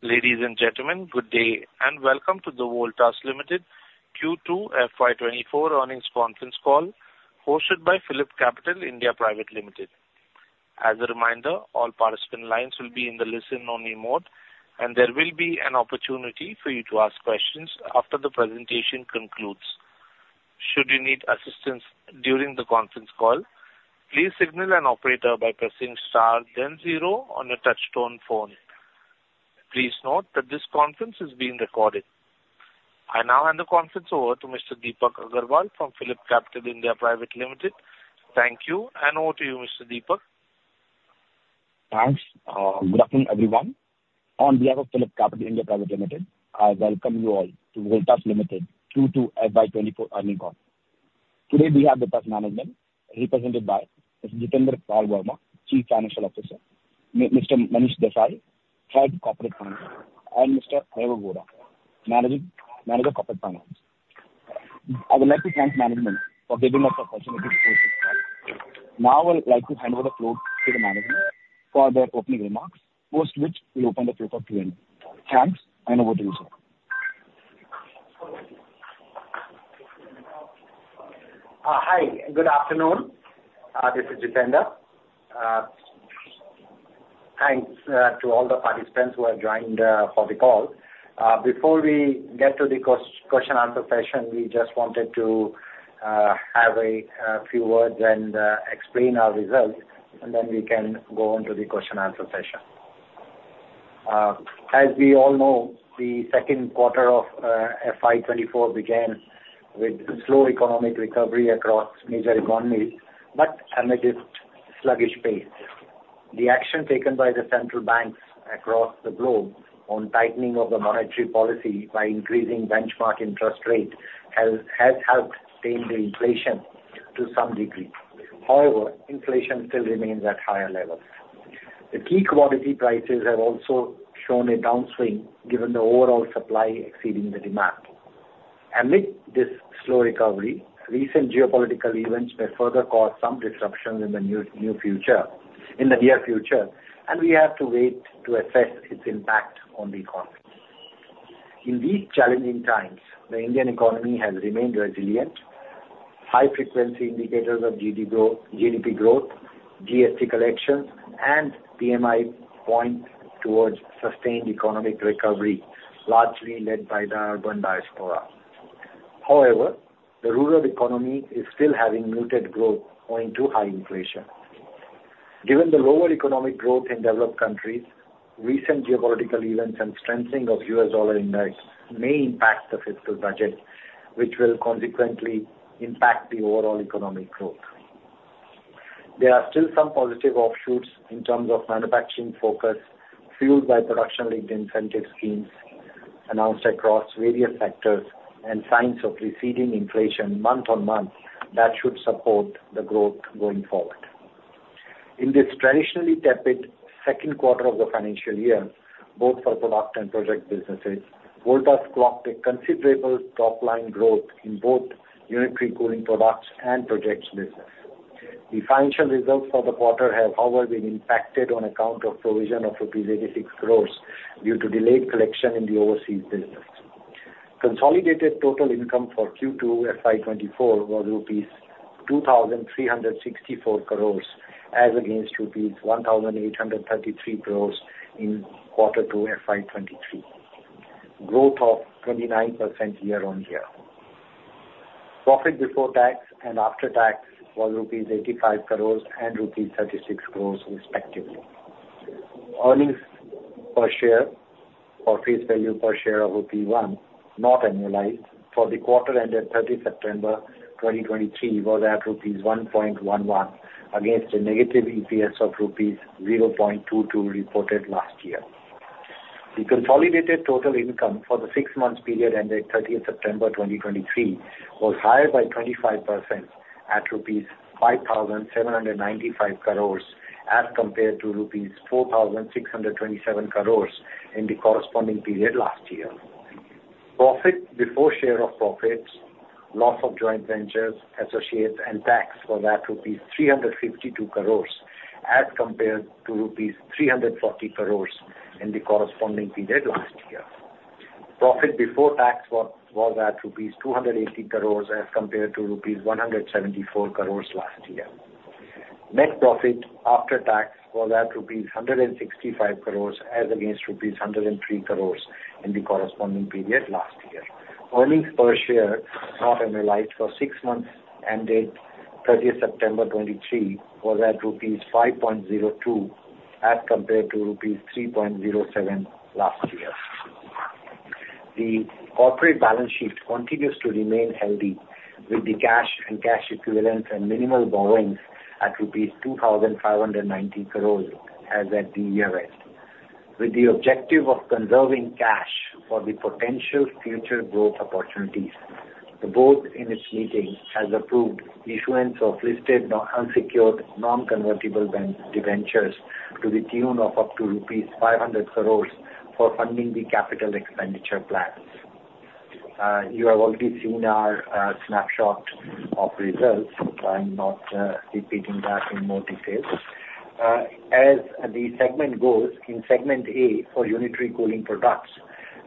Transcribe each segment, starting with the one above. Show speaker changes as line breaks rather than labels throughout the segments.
Ladies and gentlemen, good day, and welcome to the Voltas Limited Q2 FY 2024 earnings conference call, hosted by PhillipCapital India Private Limited. As a reminder, all participant lines will be in the listen-only mode, and there will be an opportunity for you to ask questions after the presentation concludes. Should you need assistance during the conference call, please signal an operator by pressing star then zero on your touchtone phone. Please note that this conference is being recorded. I now hand the conference over to Mr. Deepak Agarwal from PhillipCapital India Private Limited. Thank you, and over to you, Mr. Deepak.
Thanks. Good afternoon, everyone. On behalf of PhillipCapital (India) Private Limited, I welcome you all to Voltas Limited Q2 FY 2024 earnings call. Today, we have the press management represented by Mr. Jitender Pal Verma, Chief Financial Officer, Mr. Manish Desai, Head of Corporate Finance, and Mr. Vaibhav Vora, Manager, Corporate Finance. I would like to thank management for giving us the opportunity. Now, I would like to hand over the floor to the management for their opening remarks, post which we'll open the floor for Q&A. Thanks, and over to you, sir.
Hi, good afternoon. This is Jitender. Thanks to all the participants who have joined for the call. Before we get to the question and answer session, we just wanted to have a few words and explain our results, and then we can go on to the question and answer session. As we all know, the second quarter of FY 2024 began with slow economic recovery across major economies, but amid a sluggish pace. The action taken by the central banks across the globe on tightening of the monetary policy by increasing benchmark interest rates has helped tame the inflation to some degree. However, inflation still remains at higher levels. The key commodity prices have also shown a downswing, given the overall supply exceeding the demand. Amid this slow recovery, recent geopolitical events may further cause some disruptions in the new, new future in the near future, and we have to wait to assess its impact on the economy. In these challenging times, the Indian economy has remained resilient. High-frequency indicators of GDP growth, GST collections, and PMI point towards sustained economic recovery, largely led by the urban diaspora. However, the rural economy is still having muted growth owing to high inflation. Given the lower economic growth in developed countries, recent geopolitical events and strengthening of U.S. dollar index may impact the fiscal budget, which will consequently impact the overall economic growth. There are still some positive offshoots in terms of manufacturing focus, fueled by production-linked incentive schemes announced across various sectors and signs of receding inflation month-on-month that should support the growth going forward. In this traditionally tepid second quarter of the financial year, both for product and project businesses, Voltas clocked a considerable top-line growth in both Unitary Cooling Products and projects business. The financial results for the quarter have, however, been impacted on account of provision of rupees 86 crore due to delayed collection in the overseas business. Consolidated total income for Q2 FY 2024 was INR 2,364 crore, as against INR 1,833 crore in quarter 2 FY 2023, growth of 29% year-on-year. Profit before tax and after tax was rupees 85 crore and rupees 36 crore respectively. Earnings per share or face value per share of rupee 1, not annualized, for the quarter ended 30 September 2023, was at rupees 1.11 against a negative EPS of rupees 0.22 reported last year. The consolidated total income for the six months period ended thirtieth September 2023, was higher by 25% at rupees 5,795 crore as compared to rupees 4,627 crore in the corresponding period last year. Profit before share of profits, loss of joint ventures, associates, and tax was at 352 crore as compared to rupees 340 crore in the corresponding period last year. Profit before tax was at rupees 280 crore as compared to rupees 174 crore last year. Net profit after tax was at rupees 165 crore as against rupees 103 crore in the corresponding period last year. Earnings per share, not annualized, for six months ended 30th September 2023, was at rupees 5.02, as compared to rupees 3.07 last year. The corporate balance sheet continues to remain healthy, with the cash and cash equivalents and minimal borrowings at rupees 2,590 crore as at the year end. With the objective of conserving cash for the potential future growth opportunities, the board in its meeting has approved issuance of listed unsecured non-convertible debentures to the tune of up to rupees 500 crore for funding the capital expenditure plans. You have already seen our snapshot of results. I'm not repeating that in more details. As the segment goes, in Segment A for unitary cooling products,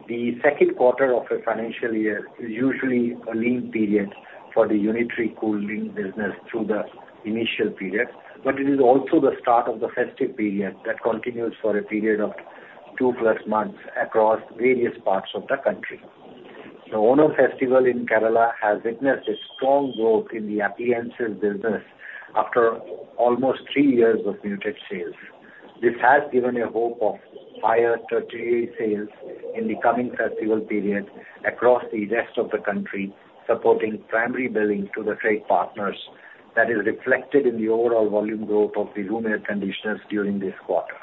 the second quarter of a financial year is usually a lean period for the unitary cooling business through the initial period, but it is also the start of the festive period that continues for a period of 2+ months across various parts of the country. The Onam festival in Kerala has witnessed a strong growth in the appliances business after almost 3 years of muted sales. This has given a hope of higher tertiary sales in the coming festival period across the rest of the country, supporting primary billing to the trade partners. That is reflected in the overall volume growth of the room air conditioners during this quarter.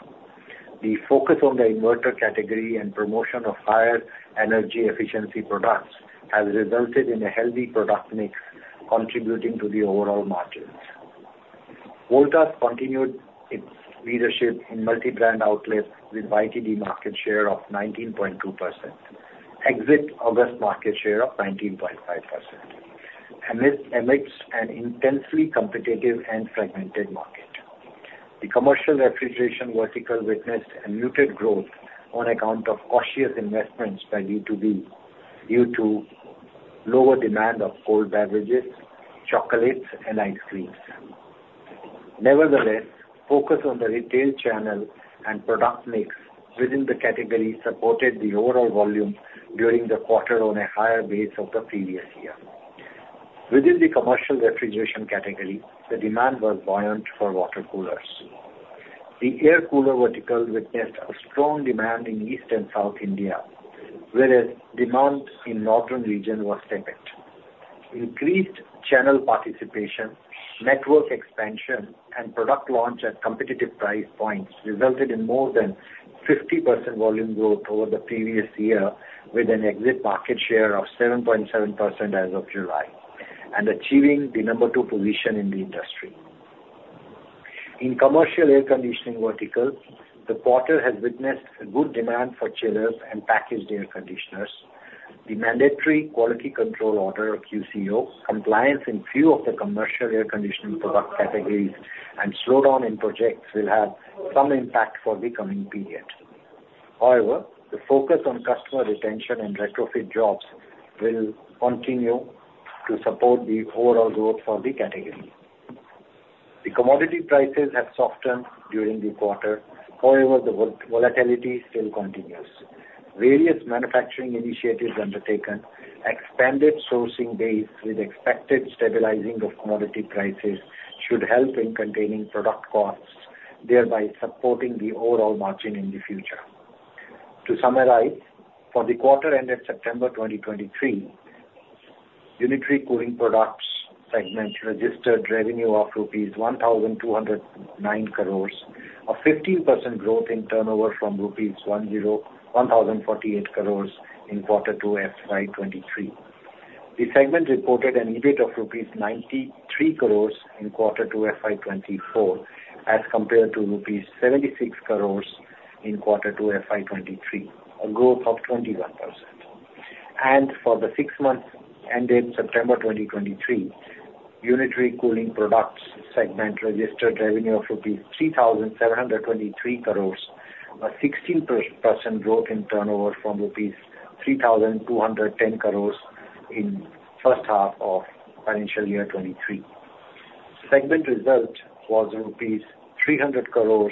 The focus on the inverter category and promotion of higher energy efficiency products has resulted in a healthy product mix, contributing to the overall margins. Voltas continued its leadership in multi-brand outlets with YTD market share of 19.2%. Exit August market share of 19.5%, and this amidst an intensely competitive and fragmented market. The commercial refrigeration vertical witnessed a muted growth on account of cautious investments by B2B due to lower demand of cold beverages, chocolates, and ice creams. Nevertheless, focus on the retail channel and product mix within the category supported the overall volume during the quarter on a higher base of the previous year. Within the commercial refrigeration category, the demand was buoyant for water coolers. The air cooler vertical witnessed a strong demand in East and South India, whereas demand in northern region was stagnant. Increased channel participation, network expansion, and product launch at competitive price points resulted in more than 50% volume growth over the previous year, with an exit market share of 7.7% as of July, and achieving the number 2 position in the industry. In commercial air conditioning vertical, the quarter has witnessed a good demand for chillers and packaged air conditioners. The mandatory quality control order, or QCO, compliance in few of the commercial air conditioning product categories and slowdown in projects will have some impact for the coming period. However, the focus on customer retention and retrofit jobs will continue to support the overall growth for the category. The commodity prices have softened during the quarter, however, the volatility still continues. Various manufacturing initiatives undertaken, expanded sourcing base with expected stabilizing of commodity prices, should help in containing product costs, thereby supporting the overall margin in the future. To summarize, for the quarter ended September 2023, unitary cooling products segment registered revenue of rupees 1,209 crores, a 15% growth in turnover from rupees 1,048 crores in quarter 2 FY 2023. The segment reported an EBIT of rupees 93 crores in quarter 2 FY 2024, as compared to rupees 76 crores in quarter 2 FY 2023, a growth of 21%. And for the six months ended September 2023, unitary cooling products segment registered revenue of rupees 3,723 crores, a 16% growth in turnover from rupees 3,210 crores in first half of financial year 2023. Segment result was rupees 300 crore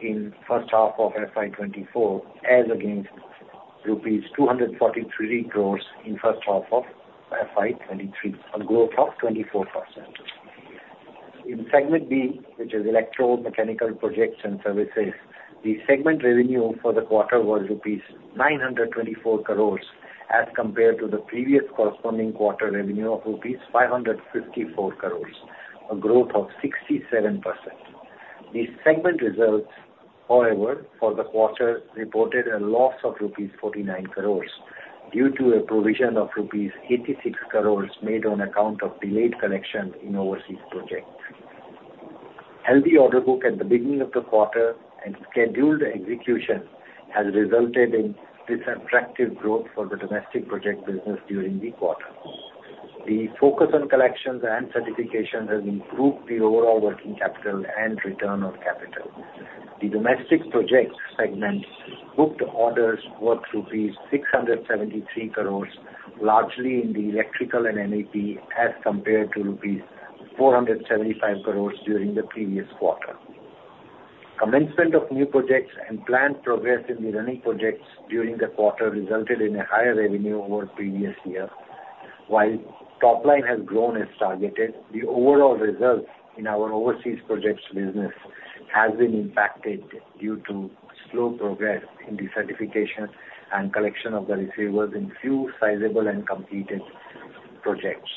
in first half of FY 2024, as against rupees 243 crore in first half of FY 2023, a growth of 24%. In Segment B, which is Electro-Mechanical Projects and Services, the segment revenue for the quarter was rupees 924 crore, as compared to the previous corresponding quarter revenue of rupees 554 crore, a growth of 67%. The segment results, however, for the quarter, reported a loss of rupees 49 crore, due to a provision of rupees 86 crore made on account of delayed collection in overseas projects. Healthy order book at the beginning of the quarter and scheduled execution has resulted in this attractive growth for the domestic project business during the quarter. The focus on collections and certification has improved the overall working capital and return on capital. The domestic projects segment booked orders worth 673 crores, largely in the electrical and MEP, as compared to rupees 475 crores during the previous quarter. Commencement of new projects and planned progress in the running projects during the quarter resulted in a higher revenue over previous year. While top line has grown as targeted, the overall results in our overseas projects business has been impacted due to slow progress in the certification and collection of the receivables in few sizable and completed projects.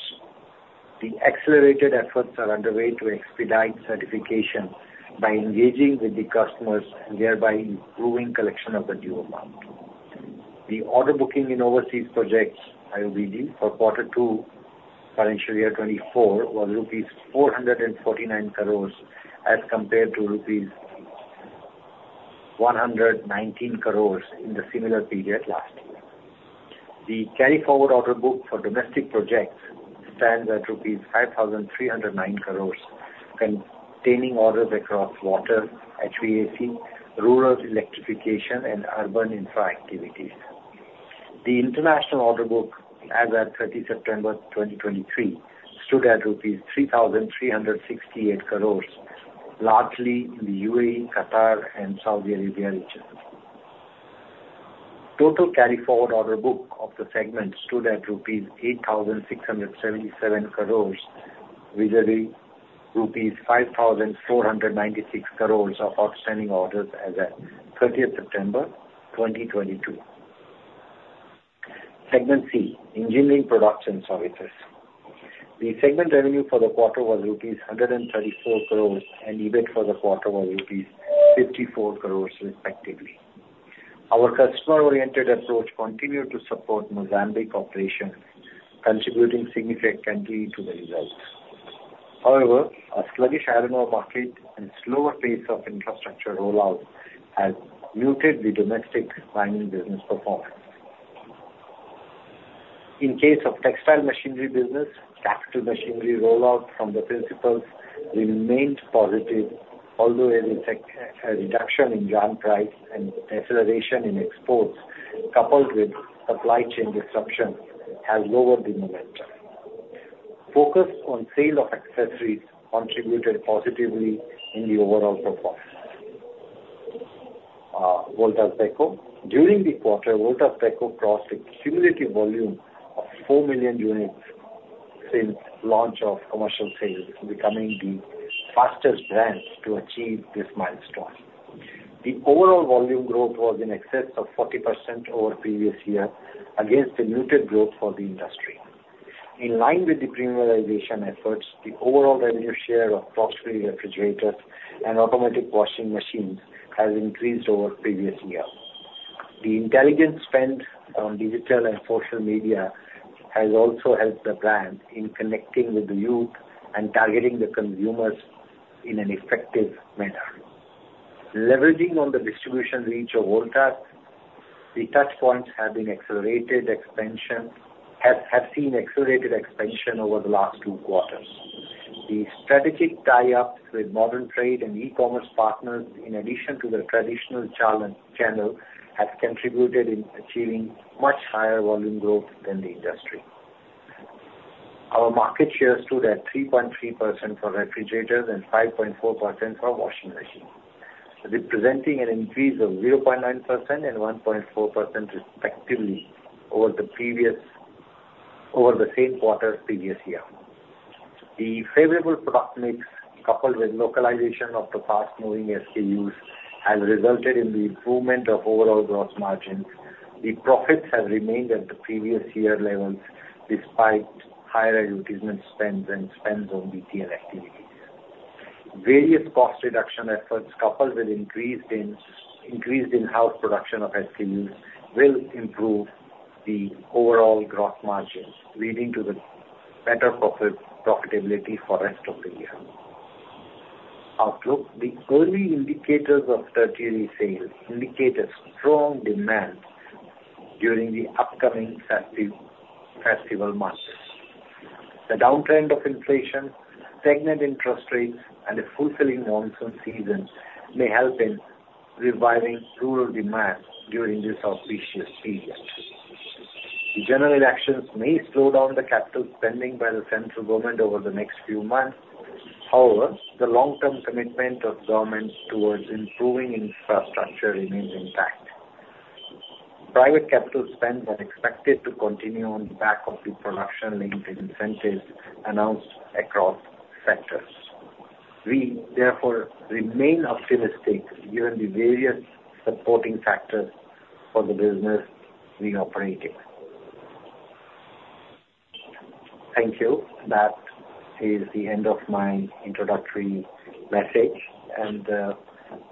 The accelerated efforts are underway to expedite certification by engaging with the customers and thereby improving collection of the due amount. The order booking in overseas projects, OBD, for quarter two, financial year 2024, was rupees 449 crores, as compared to rupees 119 crores in the similar period last year. The carry forward order book for domestic projects stands at rupees 5,309 crores, containing orders across water, HVAC, rural electrification and urban infra activities. The international order book as at 30 September 2023, stood at rupees 3,368 crores, largely in the UAE, Qatar and Saudi Arabia regions. Total carry forward order book of the segment stood at rupees 8,677 crores, vis-a-vis rupees 5,496 crores of outstanding orders as at 30th September 2022. Segment C: Engineering Production Services. The segment revenue for the quarter was rupees 134 crores, and EBIT for the quarter was rupees 54 crores respectively. Our customer-oriented approach continued to support Mozambique operations, contributing significantly to the results. However, a sluggish iron ore market and slower pace of infrastructure rollout has muted the domestic mining business performance. In case of textile machinery business, capital machinery rollout from the principals remained positive, although a reduction in yarn price and acceleration in exports, coupled with supply chain disruptions, has lowered the momentum. Focus on sale of accessories contributed positively in the overall performance. Voltas Beko. During the quarter, Voltas Beko crossed a cumulative volume of 4 million units since launch of commercial sales, becoming the fastest brand to achieve this milestone. The overall volume growth was in excess of 40% over previous year, against the muted growth for the industry. In line with the premiumization efforts, the overall revenue share of frost-free refrigerators and automatic washing machines has increased over previous year. The intelligent spend on digital and social media has also helped the brand in connecting with the youth and targeting the consumers in an effective manner. Leveraging on the distribution reach of Voltas, the touch points have seen accelerated expansion over the last two quarters. The strategic tie-ups with modern trade and e-commerce partners, in addition to the traditional channel, has contributed in achieving much higher volume growth than the industry. Our market share stood at 3.3% for refrigerators and 5.4% for washing machines, representing an increase of 0.9% and 1.4% respectively over the same quarter previous year. The favorable product mix, coupled with localization of the fast moving SKUs, has resulted in the improvement of overall gross margins. The profits have remained at the previous year levels, despite higher advertisement spends and spends on BTL activities. Various cost reduction efforts, coupled with increased in-house production of SKUs, will improve the overall gross margins, leading to better profitability for rest of the year. Outlook. The early indicators of tertiary sales indicate a strong demand during the upcoming festive months. The downtrend of inflation, stagnant interest rates, and a fulfilling monsoon season may help in reviving rural demand during this auspicious period. The general elections may slow down the capital spending by the central government over the next few months. However, the long-term commitment of government towards improving infrastructure remains intact. Private capital spends are expected to continue on the back of the production-linked incentives announced across sectors. We therefore remain optimistic given the various supporting factors for the business we operate in. Thank you. That is the end of my introductory message, and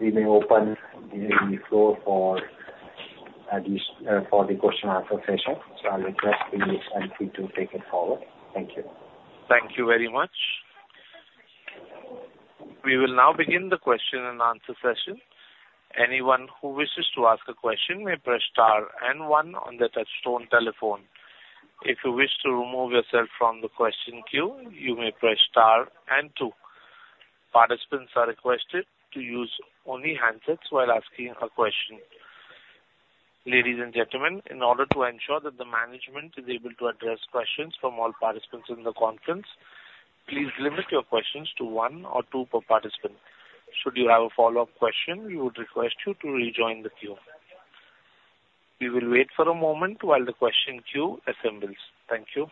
we may open the floor for this for the question answer session. So I'll request the MC to take it forward. Thank you.
Thank you very much. We will now begin the question and answer session. Anyone who wishes to ask a question may press star and one on the touchtone telephone. If you wish to remove yourself from the question queue, you may press star and two. Participants are requested to use only handsets while asking a question. Ladies and gentlemen, in order to ensure that the management is able to address questions from all participants in the conference, please limit your questions to one or two per participant. Should you have a follow-up question, we would request you to rejoin the queue. We will wait for a moment while the question queue assembles. Thank you.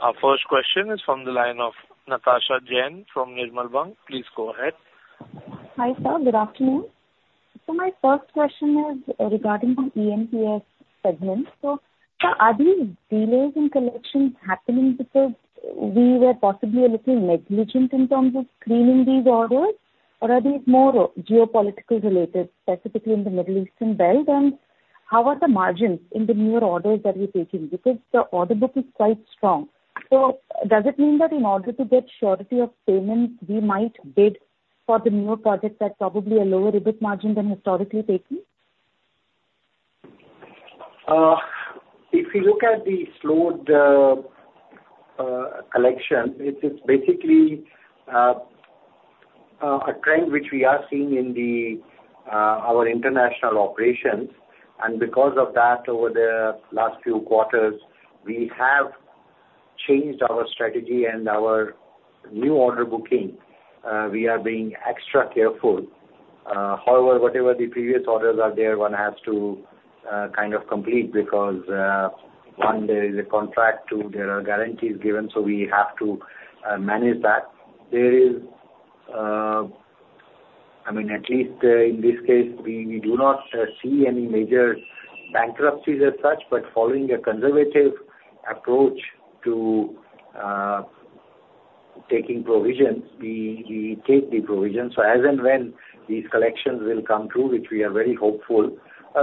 Our first question is from the line of Natasha Jain from Nirmal Bang. Please go ahead.
Hi, sir. Good afternoon. My first question is regarding the EMPS segment. Sir, are these delays in collections happening because we were possibly a little negligent in terms of screening these orders, or are these more geopolitical related, specifically in the Middle Eastern belt? And how are the margins in the newer orders that you're taking? Because the order book is quite strong. Does it mean that in order to get surety of payments, we might bid for the newer projects at probably a lower EBIT margin than historically taken?
If you look at the slowed collection, it's basically a trend which we are seeing in our international operations, and because of that, over the last few quarters, we have changed our strategy and our new order booking. We are being extra careful. However, whatever the previous orders are there, one has to kind of complete because one, there is a contract, two, there are guarantees given, so we have to manage that. I mean, at least in this case, we do not see any major bankruptcies as such, but following a conservative approach to taking provisions, we take the provisions. So as and when these collections will come through, which we are very hopeful,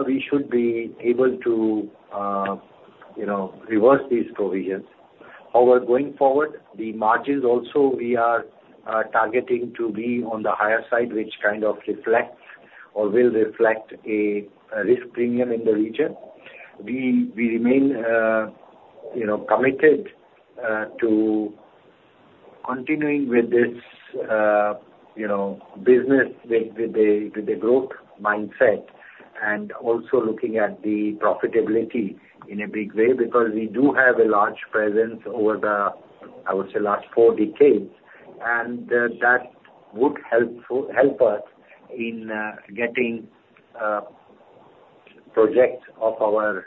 we should be able to, you know, reverse these provisions. However, going forward, the margins also, we are targeting to be on the higher side, which kind of reflects or will reflect a risk premium in the region. We remain, you know, committed to continuing with this, you know, business with a growth mindset, and also looking at the profitability in a big way, because we do have a large presence over the, I would say, last 4 decades, and that would help help us in getting projects of our,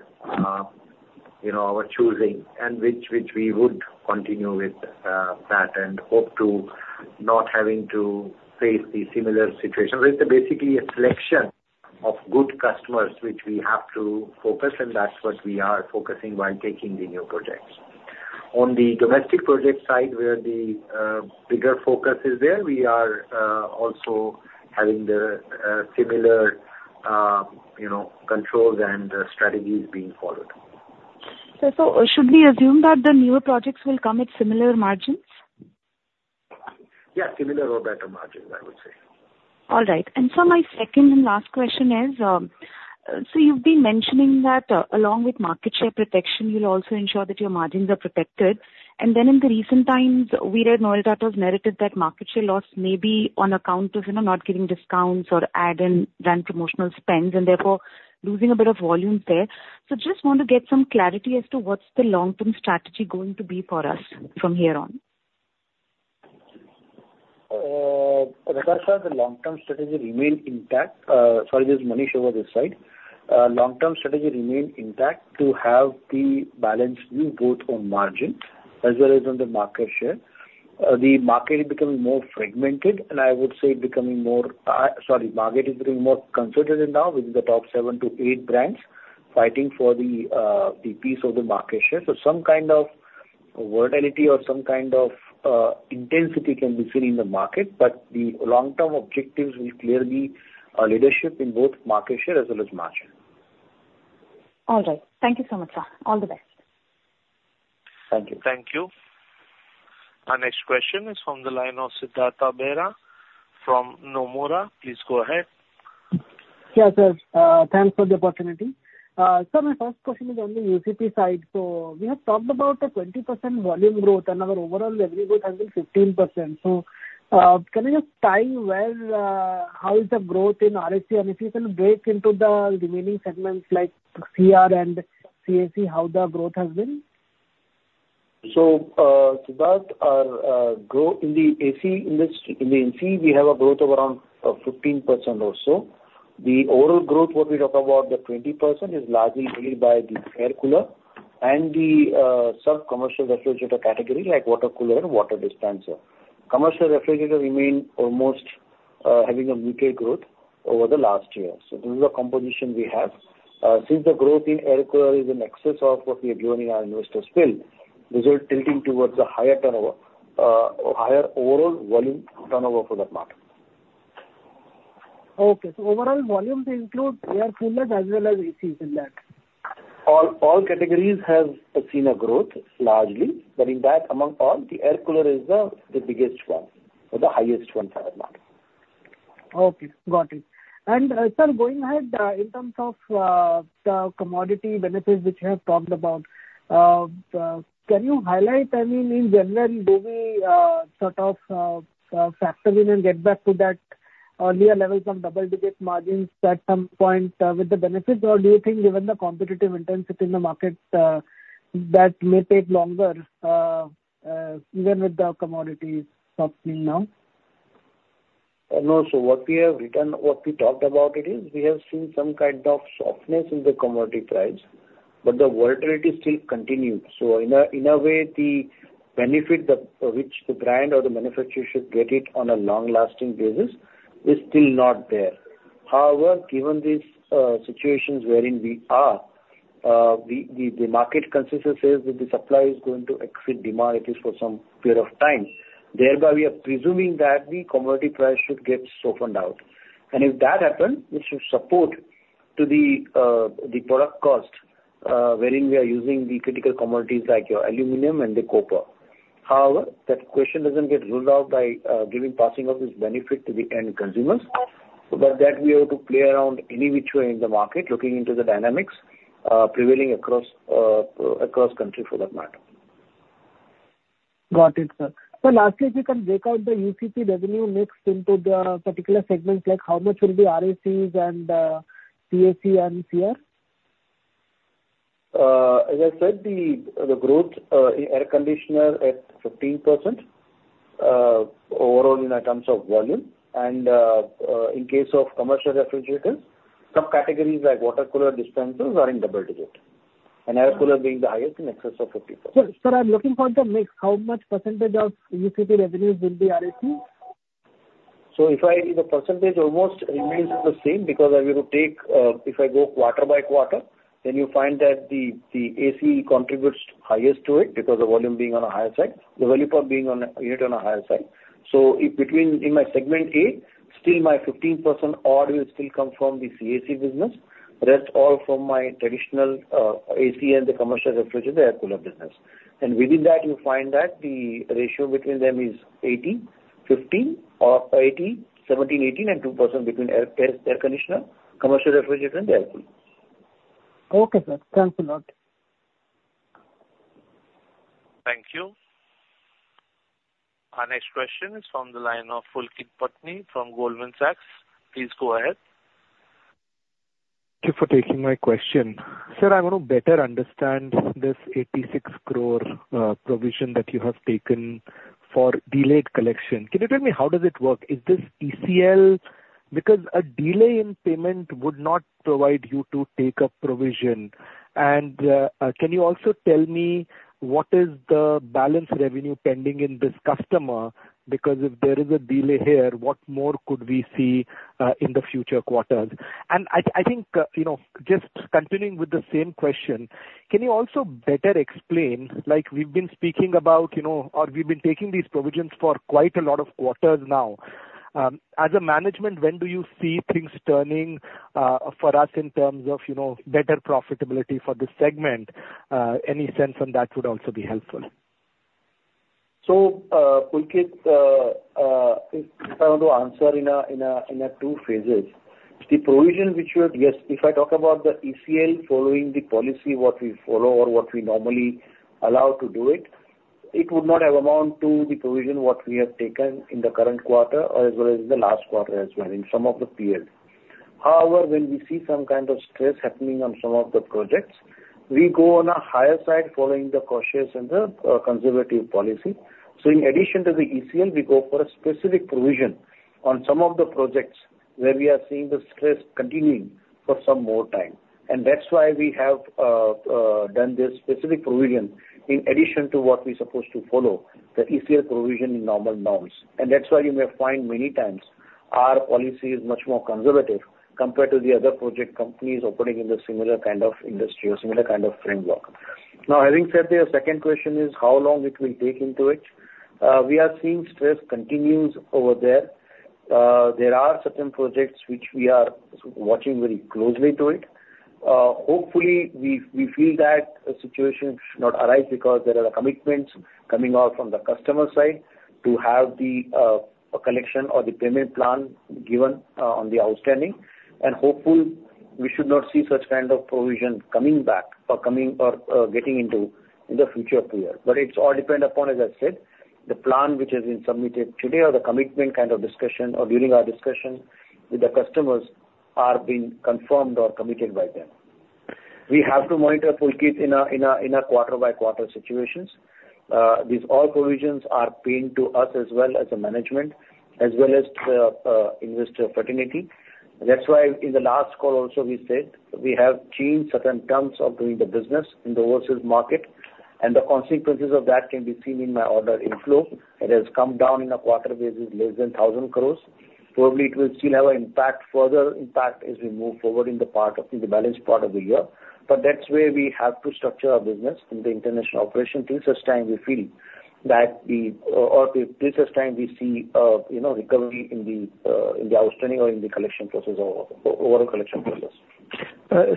you know, our choosing, which we would continue with, that and hope to not having to face the similar situation. It's basically a selection of good customers which we have to focus, and that's what we are focusing while taking the new projects. On the domestic project side, where the bigger focus is there, we are also having the similar, you know, controls and strategies being followed.
Sir, so should we assume that the newer projects will come at similar margins?
Yeah, similar or better margins, I would say.
All right. Sir, my second and last question is, so you've been mentioning that, along with market share protection, you'll also ensure that your margins are protected. And then in the recent times, we read Noel Tata's narrative that market share loss may be on account of, you know, not giving discounts or ad and run promotional spends, and therefore losing a bit of volume there. So just want to get some clarity as to what's the long-term strategy going to be for us from here on?
Raksha, the long-term strategy remain intact. Sorry, this is Manish over this side. Long-term strategy remain intact to have the balance in both on margin as well as on the market share. The market is becoming more fragmented, and I would say becoming more, market is becoming more consolidated now, with the top 7-8 brands fighting for the piece of the market share. So some kind of volatility or some kind of, intensity can be seen in the market, but the long-term objectives will clearly are leadership in both market share as well as margin.
All right. Thank you so much, sir. All the best.
Thank you.
Thank you. Our next question is from the line of Siddhant Behera from Nomura. Please go ahead.
Yeah, sir. Thanks for the opportunity. Sir, my first question is on the UCP side. So we have talked about a 20% volume growth, and our overall revenue growth has been 15%. So, can you just tell me where, how is the growth in RAC, and if you can break into the remaining segments like CR and CAC, how the growth has been?
Siddharth, our growth in the AC industry, in the AC, we have a growth of around 15% or so. The overall growth, what we talk about, the 20%, is largely driven by the air cooler and the self commercial refrigerator category, like water cooler and water dispenser. Commercial refrigerator remain almost, having a neutral growth over the last year. This is the composition we have. Since the growth in air cooler is in excess of what we have given in our investors still, these are tilting towards the higher turnover, higher overall volume turnover for that matter.
Okay. Overall volumes include air coolers as well as ACs in that.
All categories have seen a growth largely, but in that, among all, the air cooler is the biggest one or the highest one for the market.
Okay, got it. And, sir, going ahead, in terms of the commodity benefits, which you have talked about, can you highlight, I mean, in when do we sort of factor in and get back to that earlier levels on double-digit margins at some point with the benefits? Or do you think given the competitive intensity in the market, that may take longer even with the commodity softening now?
No. So what we have written, what we talked about it is, we have seen some kind of softness in the commodity price, but the volatility still continues. So in a way, the benefit that, which the brand or the manufacturer should get it on a long-lasting basis is still not there. However, given these situations wherein we are, the market consensus says that the supply is going to exceed demand, at least for some period of time. Thereby, we are presuming that the commodity price should get softened out. And if that happens, it should support to the, the product cost, wherein we are using the critical commodities like your aluminum and the copper. However, that question doesn't get ruled out by giving passing of this benefit to the end consumers. So, but that we have to play around any which way in the market, looking into the dynamics prevailing across country for that matter.
Got it, sir. So lastly, if you can break out the UCP revenue mix into the particular segments, like how much will be RACs and CAC and CR?
As I said, the growth in air conditioner at 15% overall in terms of volume, and in case of commercial refrigerators, some categories like water cooler dispensers are in double digit, and air cooler being the highest in excess of 50%.
Sir, sir, I'm looking for the mix. How much percentage of UCP revenues will be RAC?
So if I, the percentage almost remains the same, because I will take, if I go quarter by quarter, then you find that the AC contributes highest to it because the volume being on a higher side, the value for being on a unit on a higher side. So if between in my segment A, still my 15% odd will still come from the CAC business. Rest all from my traditional AC and the commercial refrigerator, the air cooler business. And within that, you find that the ratio between them is 80-15 or 80-17-18 and 2% between air conditioner, commercial refrigerator, and the air cooler.
Okay, sir. Thanks a lot.
Thank you. Our next question is from the line of Pulkit Patni from Goldman Sachs. Please go ahead.
Thank you for taking my question. Sir, I want to better understand this 86 crore provision that you have taken for delayed collection. Can you tell me how does it work? Is this ECL? Because a delay in payment would not provide you to take a provision. And can you also tell me what is the balance revenue pending in this customer? Because if there is a delay here, what more could we see in the future quarters? And I think you know, just continuing with the same question, can you also better explain, like we've been speaking about, you know, or we've been taking these provisions for quite a lot of quarters now. As a management, when do you see things turning for us in terms of you know, better profitability for this segment? Any sense on that would also be helpful.
So, Pulkit, I want to answer in two phases. The provision which we have, yes, if I talk about the ECL, following the policy, what we follow or what we normally allow to do it, it would not have amount to the provision what we have taken in the current quarter or as well as the last quarter as well in some of the periods. However, when we see some kind of stress happening on some of the projects, we go on a higher side following the cautious and the conservative policy. In addition to the ECL, we go for a specific provision on some of the projects where we are seeing the stress continuing for some more time. And that's why we have done this specific provision in addition to what we're supposed to follow, the ECL provision in normal norms. And that's why you may find many times our policy is much more conservative compared to the other project companies operating in the similar kind of industry or similar kind of framework. Now, having said that, the second question is how long it will take into it? We are seeing stress continues over there. There are certain projects which we are watching very closely to it. Hopefully, we feel that the situation should not arise because there are commitments coming out from the customer side to have the collection or the payment plan given on the outstanding. And hopefully, we should not see such kind of provision coming back or coming or getting into in the future period. But it's all depend upon, as I said, the plan which has been submitted today or the commitment kind of discussion or during our discussion with the customers are being confirmed or committed by them. We have to monitor, Pulkit, in a quarter-by-quarter situation. These all provisions are paying to us as well as a management, as well as the investor fraternity. That's why in the last call also we said, we have changed certain terms of doing the business in the overseas market, and the consequences of that can be seen in my order inflow. It has come down on a quarter basis, less than 1,000 crore. Probably it will still have an impact, further impact as we move forward in the part of, in the balanced part of the year. But that's where we have to structure our business in the international operation till such time we feel that the, or till such time we see, you know, recovery in the outstanding or in the collection process or overall collection process.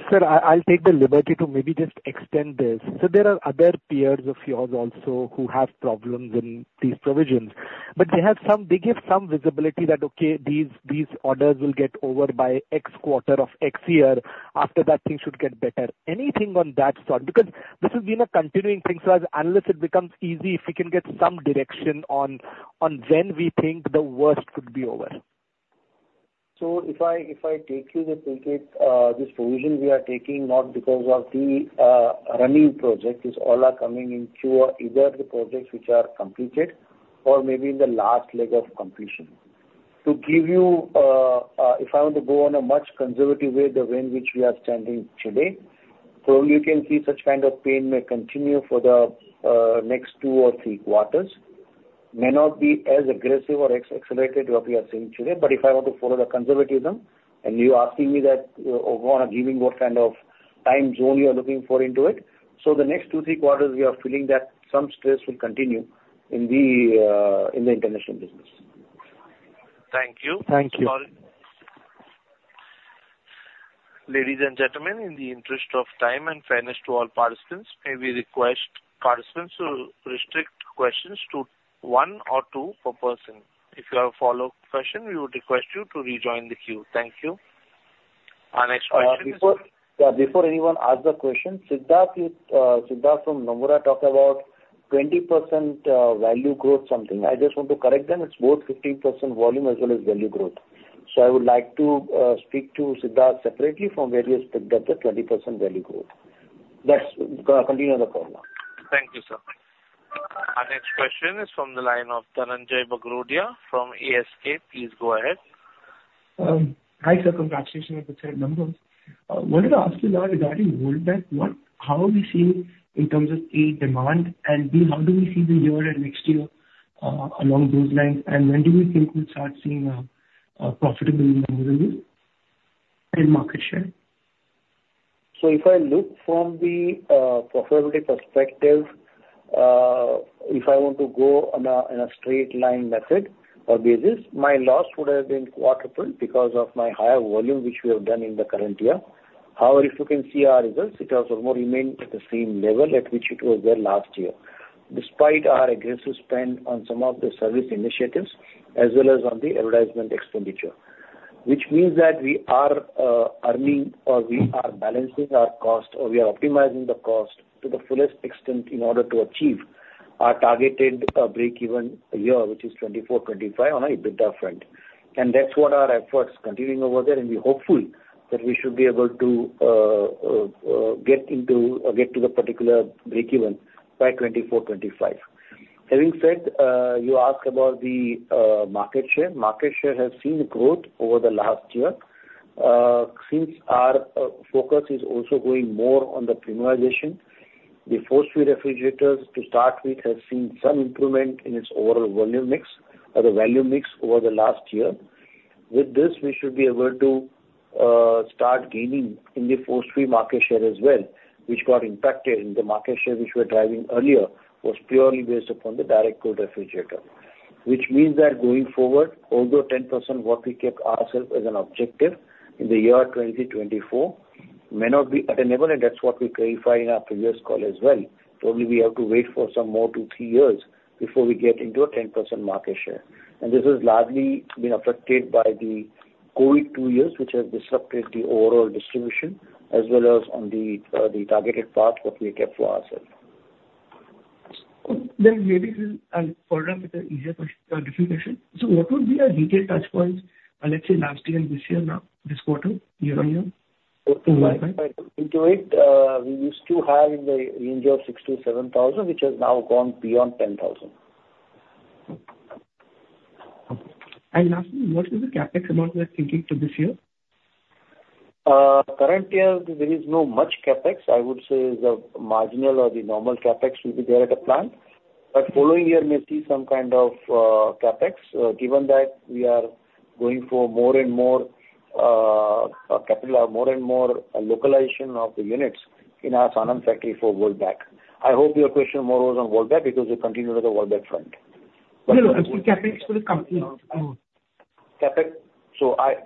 Sir, I'll take the liberty to maybe just extend this. So there are other peers of yours also who have problems in these provisions, but they have some - they give some visibility that, okay, these, these orders will get over by X quarter of X year. After that, things should get better. Anything on that front? Because this has been a continuing thing, sir. Unless it becomes easy, if you can get some direction on, on when we think the worst could be over.
So if I, if I take you to Pulkit, this provision we are taking, not because of the running project. These all are coming in through either the projects which are completed or maybe in the last leg of completion. To give you, if I want to go on a much conservative way, the way in which we are standing today, probably you can see such kind of pain may continue for the next two or three quarters may not be as aggressive or ex-accelerated what we are seeing today. But if I want to follow the conservatism, and you're asking me that, or what I'm giving what kind of time zone you are looking for into it, so the next two, three quarters, we are feeling that some stress will continue in the international business.
Thank you.
Thank you.
Ladies and gentlemen, in the interest of time and fairness to all participants, may we request participants to restrict questions to one or two per person. If you have a follow-up question, we would request you to rejoin the queue. Thank you. Our next question-
Before anyone asks a question, Siddhartha from Nomura talked about 20% value growth something. I just want to correct them. It's both 15% volume as well as value growth. So I would like to speak to Siddhartha separately from where he has picked up the 20% value growth. Let's continue the call now.
Thank you, sir. Our next question is from the line of Dhananjai Bagrodia from ASK. Please go ahead.
Hi, sir. Congratulations on the third numbers. Wanted to ask you now regarding Voltas Beko, how are we seeing in terms of A, demand, and B, how do we see the year and next year, along those lines? And when do we think we'll start seeing, a profitability normally and market share?
So if I look from the profitability perspective, if I want to go on a in a straight line method or basis, my loss would have been quadrupled because of my higher volume, which we have done in the current year. However, if you can see our results, it has almost remained at the same level at which it was there last year, despite our aggressive spend on some of the service initiatives as well as on the advertisement expenditure. Which means that we are earning or we are balancing our cost, or we are optimizing the cost to the fullest extent in order to achieve our targeted break-even year, which is 2024, 2025 on our EBITDA front. That's what our efforts are continuing over there, and we're hopeful that we should be able to get into or get to the particular break-even by 2024, 2025. Having said, you asked about the market share. Market share has seen growth over the last year. Since our focus is also going more on the premiumization, the frost-free refrigerators, to start with, has seen some improvement in its overall volume mix or the value mix over the last year. With this, we should be able to start gaining in the frost-free market share as well, which got impacted, and the market share which we were driving earlier was purely based upon the direct cool refrigerator. Which means that going forward, although 10% what we kept ourselves as an objective in the year 2024 may not be attainable, and that's what we clarified in our previous call as well. Probably, we have to wait for some more 2-3 years before we get into a 10% market share. And this is largely been affected by the COVID 2 years, which has disrupted the overall distribution as well as on the, the targeted path what we kept for ourselves.
Maybe I'll follow up with an easier question, different question. What would be our retail touchpoints, let's say last year and this year, now, this quarter, year-on-year?
Into it, we used to have in the range of 6-7 thousand, which has now gone beyond 10,000.
Lastly, what is the CapEx amount we are thinking for this year?
Current year, there is no much CapEx. I would say the marginal or the normal CapEx will be there at the plant, but following year may see some kind of, CapEx, given that we are going for more and more, capital or more and more localization of the units in our Sanand factory for Voltbek. I hope your question more was on Voltbek, because we continue with the Voltbek front.
No, no, I see CapEx for the company.
CapEx.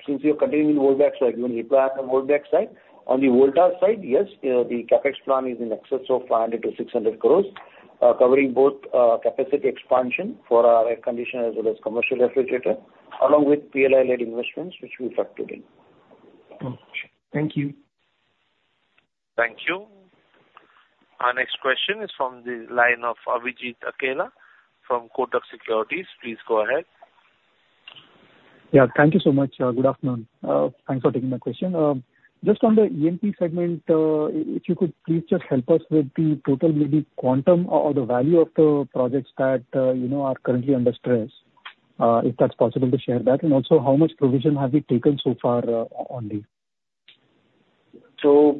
Since you're continuing with Voltbek, I'll give you on the Voltbek side. On the Voltas side, yes, the CapEx plan is in excess of 500-600 crore, covering both capacity expansion for our air conditioner as well as commercial refrigerator, along with PLI-led investments which we factored in.
Okay. Thank you.
Thank you. Our next question is from the line of Abhijit Akella from Kotak Securities. Please go ahead.
Yeah, thank you so much. Good afternoon. Thanks for taking my question. Just on the MEP segment, if you could please just help us with the total, maybe quantum or the value of the projects that you know are currently under stress, if that's possible to share that. And also, how much provision have you taken so far, on these?
So,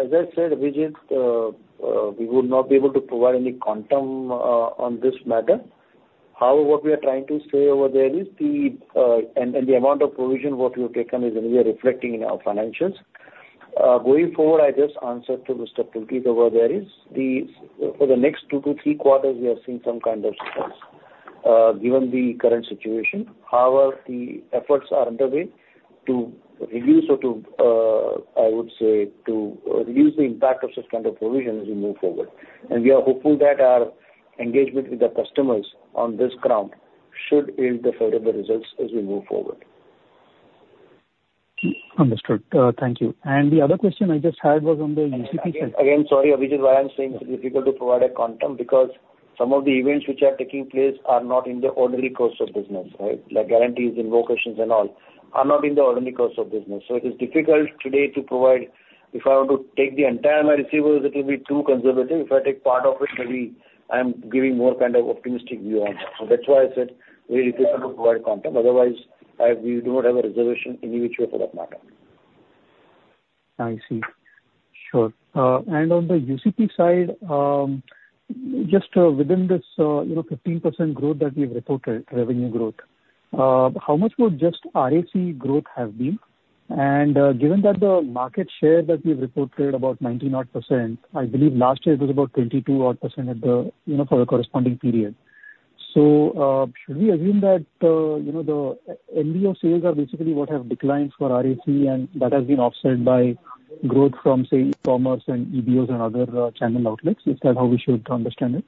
as I said, Abhijit, we would not be able to provide any quantum on this matter. However, what we are trying to say over there is the and the amount of provision what we have taken is, and we are reflecting in our financials. Going forward, I just answered to Mr. Pulkit over there is, the for the next 2-3 quarters, we are seeing some kind of stress given the current situation. However, the efforts are underway to reduce or to I would say to reduce the impact of such kind of provisions as we move forward. And we are hopeful that our engagement with the customers on this front should yield the further results as we move forward.
Understood. Thank you. And the other question I just had was on the ACP side.
Again, sorry, Abhijit, why I'm saying it's difficult to provide a quantum, because some of the events which are taking place are not in the ordinary course of business, right? Like guarantees, invocations and all, are not in the ordinary course of business. So it is difficult today to provide. If I want to take the entire receivables, it will be too conservative. If I take part of it, maybe I'm giving more kind of optimistic view on that. So that's why I said we are difficult to provide quantum. Otherwise, I, we do not have a reservation in which way for that matter.
I see. Sure. And on the UCP side, just, within this, you know, 15% growth that you've reported, revenue growth, how much would just RAC growth have been? And, given that the market share that you've reported about 90-odd%, I believe last year it was about 22-odd% at the, you know, for the corresponding period. So, should we assume that, you know, the MBO sales are basically what have declined for RAC and that has been offset by growth from, say, e-commerce and EBOs and other, channel outlets? Is that how we should understand it?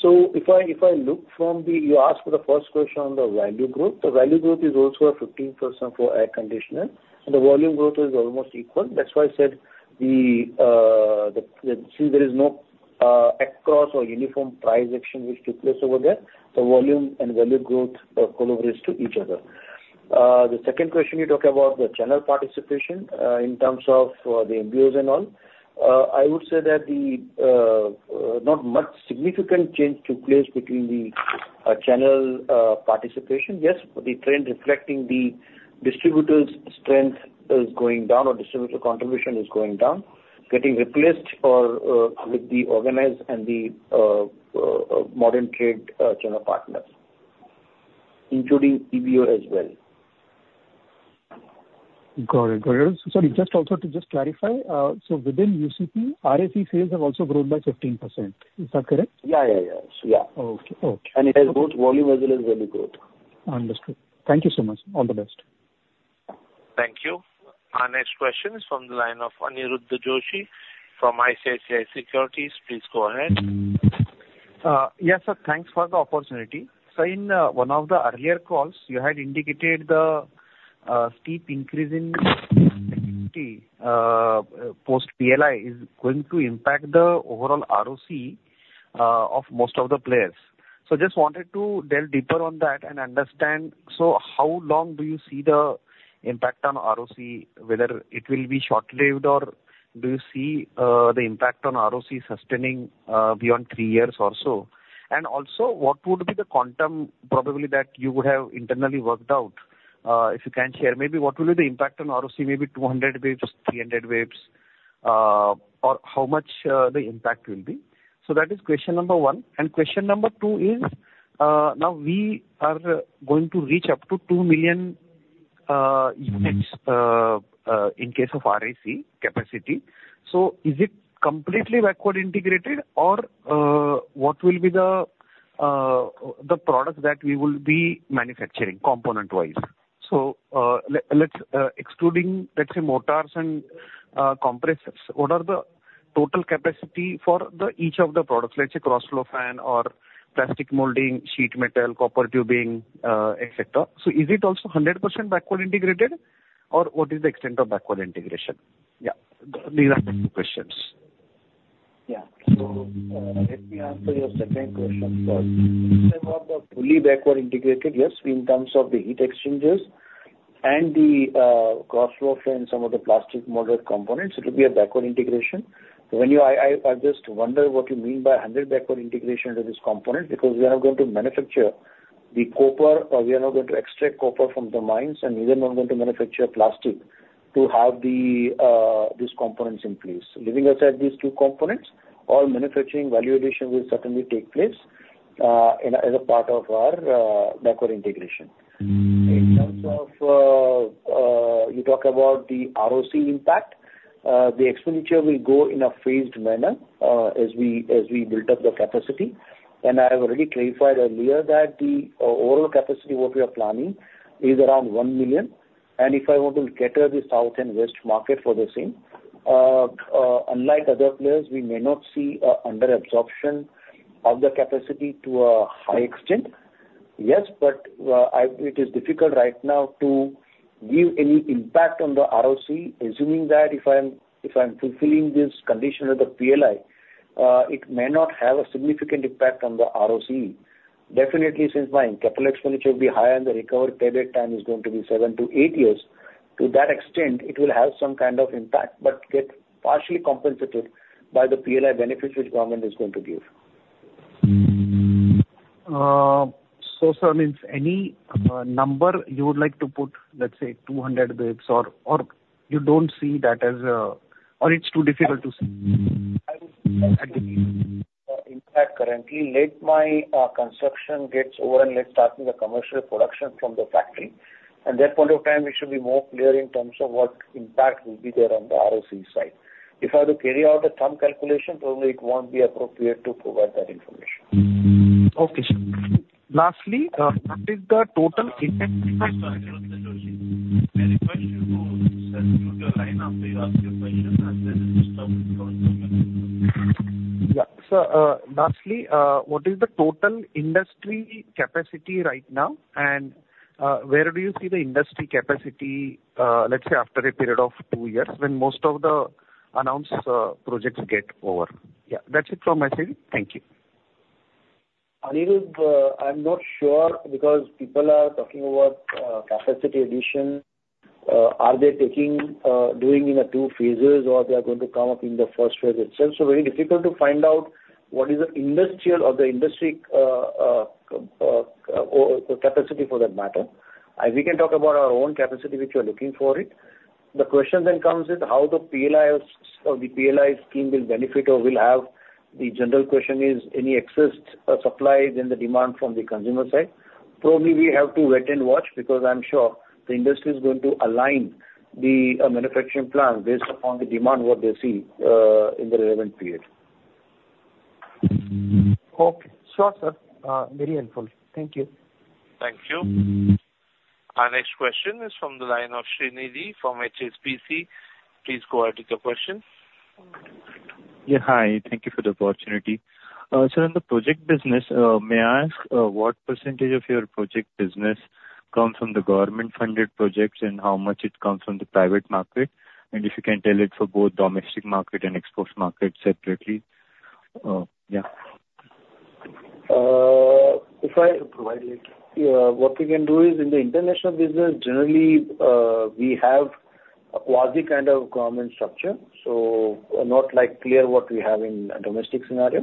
So if I look from the, you asked for the first question on the value growth. The value growth is also a 15% for air conditioner, and the volume growth is almost equal. That's why I said the, the, since there is no across or uniform price action which took place over there, the volume and value growth correlates to each other. The second question, you talk about the channel participation in terms of the MBOs and all. I would say that not much significant change took place between the channel participation. Yes, the trend reflecting the distributors' strength is going down or distributor contribution is going down, getting replaced with the organized and the modern trade channel partners, including EBO as well.
Got it. Got it. Sorry, just also to just clarify, so within UCP, RAC sales have also grown by 15%. Is that correct?
Yeah, yeah, yeah. Yeah.
Okay. Okay.
It has both volume as well as value growth.
Understood. Thank you so much. All the best.
Thank you. Our next question is from the line of Anirudhha Joshi from ICICI Securities. Please go ahead.
Yes, sir. Thanks for the opportunity. So in one of the earlier calls, you had indicated the steep increase in post PLI is going to impact the overall ROC of most of the players. So just wanted to delve deeper on that and understand, so how long do you see the impact on ROC, whether it will be short-lived, or do you see the impact on ROC sustaining beyond three years or so? And also, what would be the quantum, probably, that you would have internally worked out, if you can share? Maybe what will be the impact on ROC, maybe 200 basis points, 300 basis points, or how much the impact will be? So that is question number one. Question number two is, now we are going to reach up to 2 million units in case of RAC capacity. So is it completely backward integrated or what will be the product that we will be manufacturing component-wise? So, excluding, let's say, motors and compressors, what are the total capacity for the each of the products, let's say, cross-flow fan or plastic molding, sheet metal, copper tubing, et cetera. So is it also 100% backward integrated, or what is the extent of backward integration? Yeah, these are the two questions.
Yeah. So, let me answer your second question first. About the fully backward integrated, yes, in terms of the heat exchangers and the, cross-flow fan, some of the plastic molded components, it will be a backward integration. When you I just wonder what you mean by 100 backward integration into this component, because we are not going to manufacture the copper, or we are not going to extract copper from the mines, and we are not going to manufacture plastic to have the, these components in place. Leaving aside these two components, all manufacturing value addition will certainly take place, in a, as a part of our, backward integration.
Mm.
In terms of, you talk about the ROC impact, the expenditure will go in a phased manner, as we, as we build up the capacity. And I've already clarified earlier that the, overall capacity, what we are planning, is around 1 million, and if I want to cater the South and West market for the same, unlike other players, we may not see a under absorption of the capacity to a high extent. Yes, but, it is difficult right now to give any impact on the ROC, assuming that if I'm, if I'm fulfilling this condition of the PLI, it may not have a significant impact on the ROC. Definitely, since my capital expenditure will be high and the recovery period time is going to be 7-8 years, to that extent, it will have some kind of impact, but get partially compensated by the PLI benefits which government is going to give.
So, sir, means any number you would like to put, let's say, 200 base or, or you don't see that as or it's too difficult to say?
I would say impact currently. Let my, construction gets over and let's start with the commercial production from the factory. At that point of time, it should be more clear in terms of what impact will be there on the ROC side. If I were to carry out the thumb calculation, probably it won't be appropriate to provide that information.
Okay, sir. Lastly, what is the total impact-
Hi, Anirudh Joshi, may I request you to mute your line after you ask your question, as there is some problem with your line.
Yeah. So, lastly, what is the total industry capacity right now? And, where do you see the industry capacity, let's say, after a period of two years, when most of the announced projects get over? Yeah, that's it from my side. Thank you.
Anirudh, I'm not sure because people are talking about capacity addition. Are they taking doing in a two phases, or they are going to come up in the first phase itself? So very difficult to find out. What is the industrial or the industry or capacity for that matter? And we can talk about our own capacity which you are looking for it. The question then comes with how the PLIs or the PLI scheme will benefit or will have, the general question is any excess supply than the demand from the consumer side. Probably we have to wait and watch, because I'm sure the industry is going to align the manufacturing plan based upon the demand what they see in the relevant period.
Okay. Sure, sir. Very helpful. Thank you.
Thank you. Our next question is from the line of Srini G. from HSBC. Please go ahead with your question.
Yeah, hi. Thank you for the opportunity. Sir, on the project business, may I ask, what percentage of your project business comes from the government-funded projects, and how much it comes from the private market? And if you can tell it for both domestic market and export market separately, yeah.
If I-
Provide it.
Yeah, what we can do is in the international business, generally, we have a quasi kind of government structure, so not like clear what we have in a domestic scenario.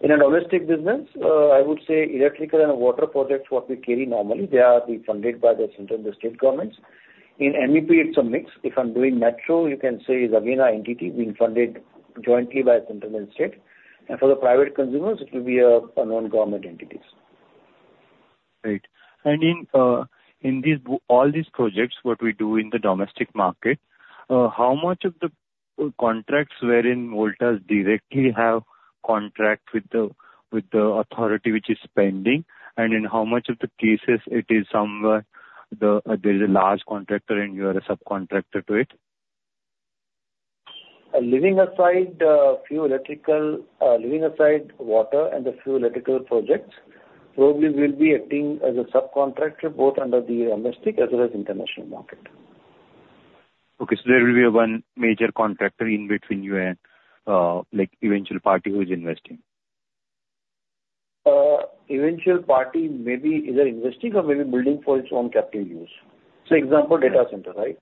In a domestic business, I would say electrical and water projects, what we carry normally, they are being funded by the central and the state governments. In MEP, it's a mix. If I'm doing metro, you can say, is again, an entity being funded jointly by central and state. And for the private consumers, it will be, a non-government entities.
Great. And in all these projects, what we do in the domestic market, how much of the contracts wherein Voltas directly have contract with the, with the authority which is pending? And in how much of the cases it is somewhere the, there is a large contractor and you are a subcontractor to it?
Leaving aside water and a few electrical projects, probably we'll be acting as a subcontractor, both under the domestic as well as international market.
Okay, so there will be a one major contractor in between you and, like, eventual party who is investing.
Eventual party may be either investing or maybe building for its own capital use. So example, data center, right?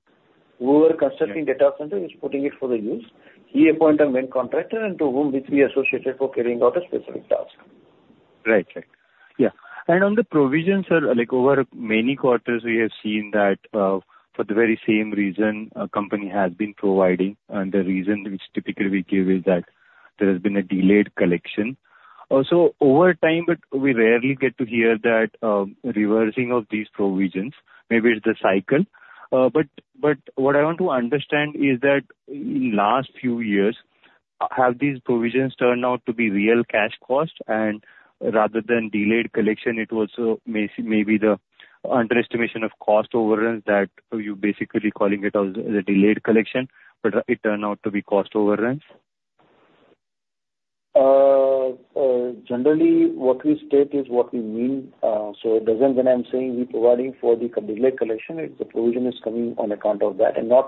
We were constructing data center, is putting it for the use. He appoint a main contractor and to whom which we associated for carrying out a specific task.
Right. Right. Yeah. And on the provisions, sir, like over many quarters, we have seen that, for the very same reason, a company has been providing, and the reason which typically we give is that there has been a delayed collection. Also, over time, but we rarely get to hear that, reversing of these provisions, maybe it's the cycle. But, but what I want to understand is that in last few years, have these provisions turned out to be real cash costs? And rather than delayed collection, it also maybe the underestimation of cost overruns that you're basically calling it out as a delayed collection, but it turned out to be cost overruns.
Generally, what we state is what we mean. So it doesn't mean I'm saying we providing for the delayed collection, if the provision is coming on account of that and not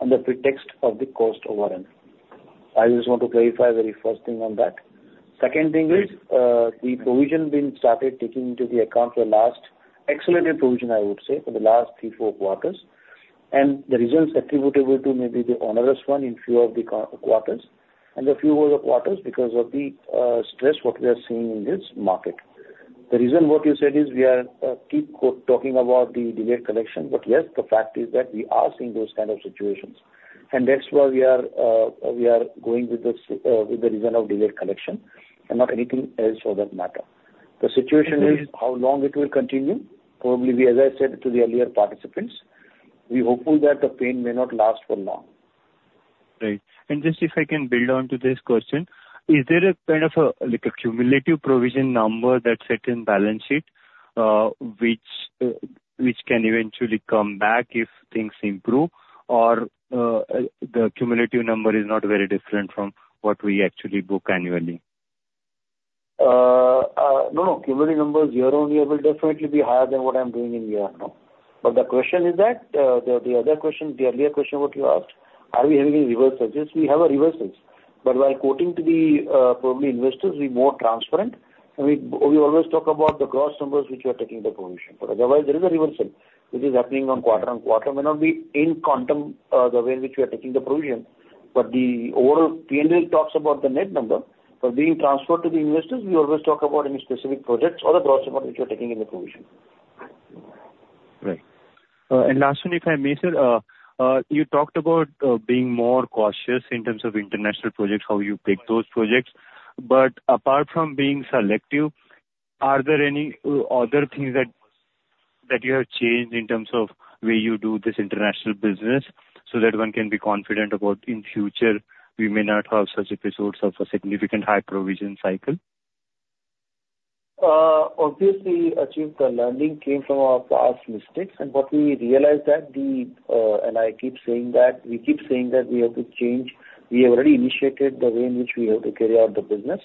on the pretext of the cost overrun. I just want to clarify very first thing on that. Second thing is, the provision being started taking into the account for the last accelerated provision, I would say, for the last three, four quarters. The results attributable to maybe the onerous one in few of the quarters, and a few other quarters because of the stress what we are seeing in this market. The reason what you said is, we are keep talking about the delayed collection, but yes, the fact is that we are seeing those kind of situations. That's why we are going with this, with the reason of delayed collection and not anything else for that matter. The situation is how long it will continue? Probably, we as I said to the earlier participants, we're hopeful that the pain may not last for long.
Right. And just if I can build on to this question, is there a kind of a, like, a cumulative provision number that set in balance sheet, which, which can eventually come back if things improve, or, the cumulative number is not very different from what we actually book annually?
No, no, cumulative number year-on-year will definitely be higher than what I'm doing in year now. But the question is that, the other question, the earlier question what you asked, are we having any reversals? Yes, we have a reversals. But while quoting to the, probably investors, we're more transparent, and we always talk about the gross numbers which we are taking the provision. But otherwise, there is a reversal which is happening on quarter-on-quarter, may not be in quantum, the way in which we are taking the provision, but the overall P&L talks about the net number. But being transparent to the investors, we always talk about any specific projects or the gross number which we are taking in the provision.
Right. And last one, if I may, sir. You talked about being more cautious in terms of international projects, how you pick those projects. But apart from being selective, are there any other things that you have changed in terms of way you do this international business, so that one can be confident about in future, we may not have such episodes of a significant high provision cycle?
Obviously, achieved the learning came from our past mistakes, and what we realized that the, and I keep saying that, we keep saying that we have to change. We have already initiated the way in which we have to carry out the business.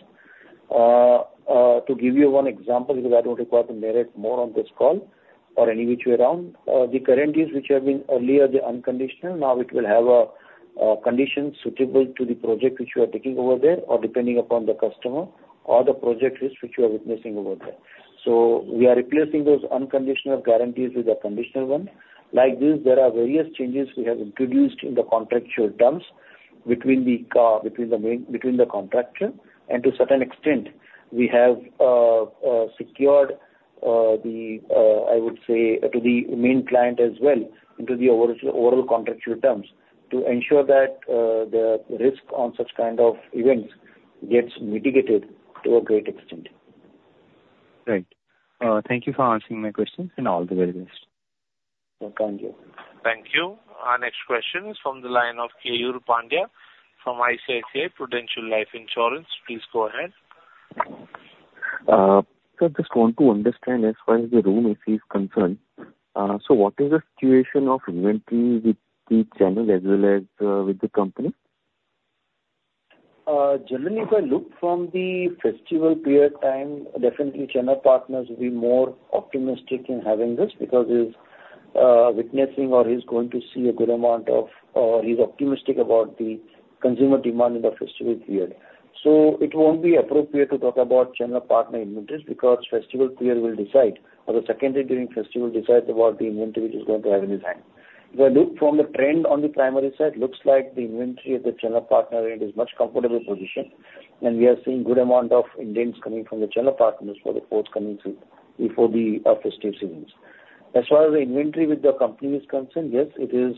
To give you one example, because I don't require to narrate more on this call or any which way around. The guarantees which have been earlier the unconditional, now it will have a condition suitable to the project which we are taking over there, or depending upon the customer or the project risk which we are witnessing over there. So we are replacing those unconditional guarantees with a conditional one. Like this, there are various changes we have introduced in the contractual terms. between the contractor, and to a certain extent, we have secured the, I would say, to the main client as well, into the overall contractual terms, to ensure that the risk on such kind of events gets mitigated to a great extent.
Right. Thank you for answering my questions, and all the very best.
Thank you.
Thank you. Our next question is from the line of Keyur Pandya from ICICI Prudential Life Insurance. Please go ahead.
Sir, just want to understand as far as the room AC is concerned, so what is the situation of inventory with the channel as well as with the company?
Generally, if I look from the festival period time, definitely channel partners will be more optimistic in having this because he's witnessing or he's going to see a good amount of, or he's optimistic about the consumer demand in the festival period. So it won't be appropriate to talk about channel partner inventories, because festival period will decide, or the secondary during festival decides about the inventory which is going to have in his hand. If I look from the trend on the primary side, looks like the inventory of the channel partner is in much comfortable position, and we are seeing good amount of indents coming from the channel partners for the forthcoming before the festive seasons. As far as the inventory with the company is concerned, yes, it is,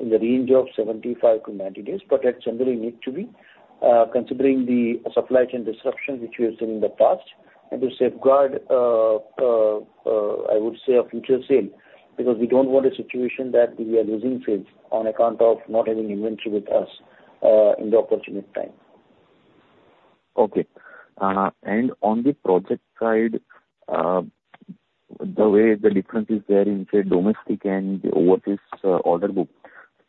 in the range of 75-90 days, but that generally need to be, considering the supply chain disruptions which we have seen in the past, and to safeguard, I would say, our future sale. Because we don't want a situation that we are losing sales on account of not having inventory with us, in the opportune time.
Okay. And on the project side, the way the difference is there in, say, domestic and the overseas, order book,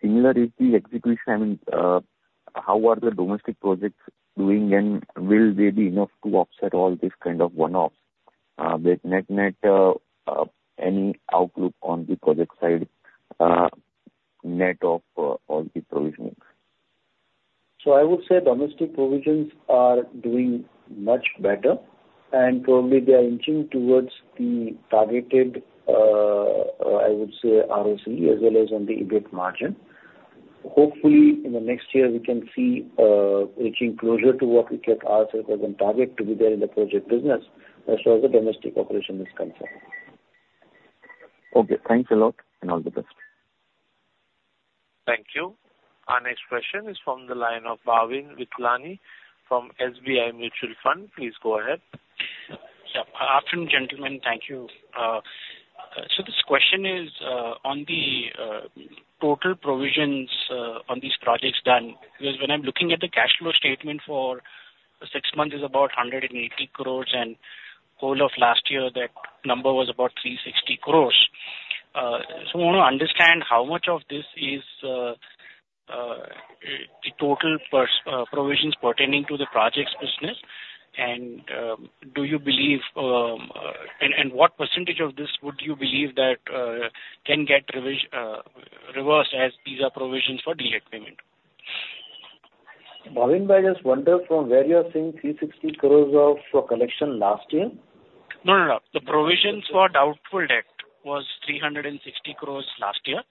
similar is the execution. I mean, how are the domestic projects doing, and will they be enough to offset all this kind of one-off? With net, net, any outlook on the project side, net of, all the provisioning?
So I would say domestic provisions are doing much better, and probably they are inching towards the targeted, I would say, ROC, as well as on the EBIT margin. Hopefully, in the next year we can see, inching closer to what we set ourselves as a target to be there in the project business, as far as the domestic operation is concerned.
Okay, thanks a lot, and all the best.
Thank you. Our next question is from the line of Bhavin Vithlani from SBI Mutual Fund. Please go ahead.
Yeah. Afternoon, gentlemen. Thank you. So this question is on the total provisions on these projects done, because when I'm looking at the cash flow statement for six months is about 180 crores, and whole of last year, that number was about 360 crores. So I want to understand how much of this is the total provisions pertaining to the projects business, and do you believe and what percentage of this would you believe that can get reversed as these are provisions for delayed payment?
Bhavin bhai, I just wonder from where you are seeing 360 crore of, for collection last year?
No, no, no. The provisions for doubtful debt was 360 crore last year,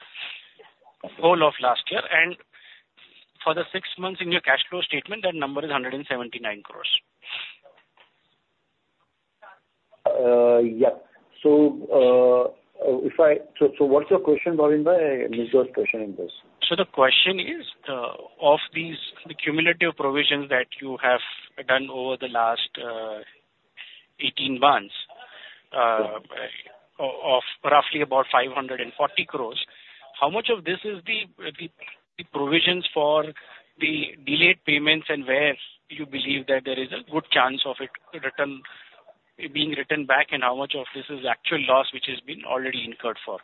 whole of last year. For the six months in your cash flow statement, that number is 179 crore.
Yeah. So, what's your question, Bhavin bhai? I missed your question in this.
So the question is, of these, the cumulative provisions that you have done over the last 18 months, of roughly about 540 crore, how much of this is the provisions for the delayed payments, and where you believe that there is a good chance of it to return, being returned back? And how much of this is actual loss, which has been already incurred for?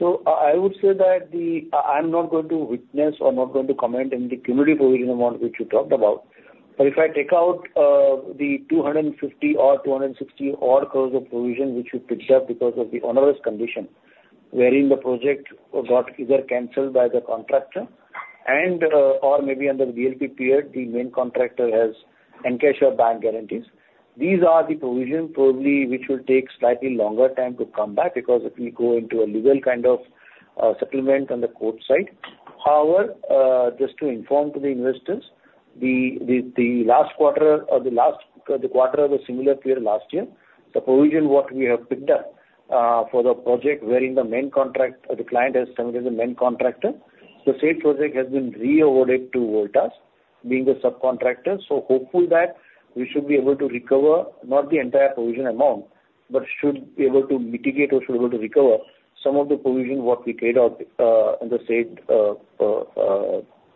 So I would say that. I'm not going to witness or not going to comment on the cumulative provision amount which you talked about. But if I take out the 250 crore or 260-odd crore of provision, which we picked up because of the onerous condition, wherein the project got either canceled by the contractor and or maybe under the DLP period, the main contractor has encashed our bank guarantees. These are the provisions probably which will take slightly longer time to come back, because it will go into a legal kind of settlement on the court side. However, just to inform to the investors, the last quarter or the quarter of a similar period last year, the provision what we have picked up for the project wherein the main contractor or the client has terminated the main contractor, the same project has been re-awarded to Voltas, being the subcontractor. So hopeful that we should be able to recover not the entire provision amount, but should be able to mitigate or should be able to recover some of the provision what we paid out on the same,